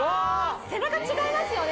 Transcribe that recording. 背中違いますよね。